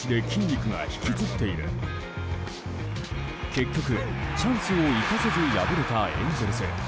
結局、チャンスを生かせず敗れたエンゼルス。